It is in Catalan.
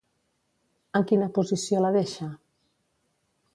En quina posició la deixa?